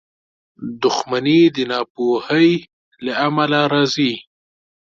• دښمني د ناپوهۍ له امله راځي.